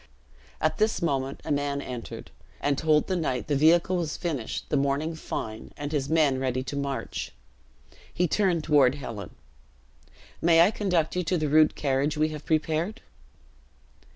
At this moment a man entered and told the knight the vehicle was finished, the morning fine, and his men ready to march. He turned toward Helen: "May I conduct you to the rude carriage we have prepared?"